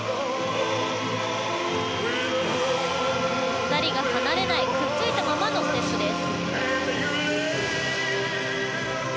２人が離れないくっついたままのステップです。